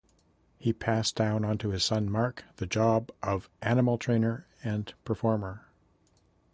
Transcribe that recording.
He passed down onto his son, Mark, the job of animal trainer and performer.